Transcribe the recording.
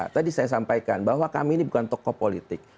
tadi saya sampaikan bahwa kami ini bukan tokoh politik